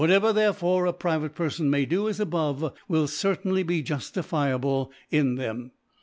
i ( ^53) ever therefore a private Perfon may do as above, will certainly be juftifiable in them.